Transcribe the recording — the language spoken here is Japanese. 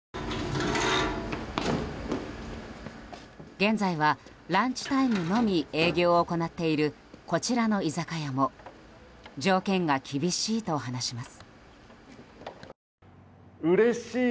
現在はランチタイムのみ営業を行っているこちらの居酒屋も条件が厳しいと話します。